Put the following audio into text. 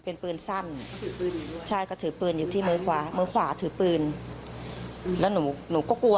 เป็นปืนสั้นถือปืนอยู่ที่มือขวาทือปืนเดี๋ยวหนูก็กลัว